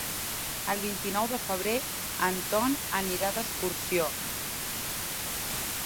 El vint-i-nou de febrer en Ton anirà d'excursió.